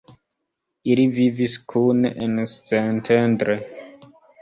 Ili vivis kune en Szentendre.